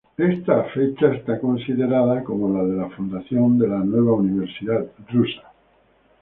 Esta fecha es considerada como la fundación de la nueva universidad rusa.